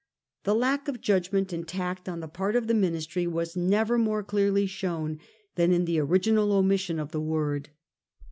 The lack of judg ment and tact on the part of the Ministry was never more clearly shown than in the original omission of the word.